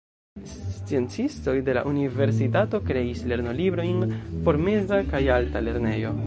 Sciencistoj de la universitato kreis lernolibrojn por meza kaj alta lernejo.